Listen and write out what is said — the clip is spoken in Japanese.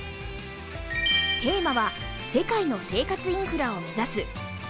テーマは世界の生活インフラを目指す。